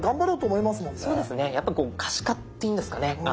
そうですねやっぱ可視化っていうんですかね。